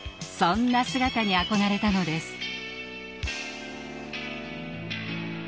そんな姿に憧れたのです。